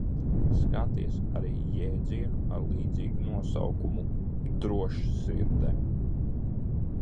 Skaties arī jēdzienu ar līdzīgu nosaukumu: Drošsirde.